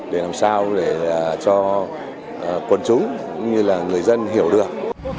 để làm sao để cho quân chúng cũng như là người dân hiểu được